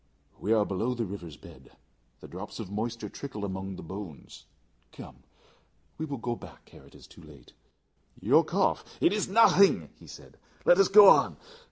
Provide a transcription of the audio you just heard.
We are below the river's bed. The drops of moisture trickle among the bones. Come, we will go back ere it is too late. Your cough " "It is nothing," he said; "let us go on.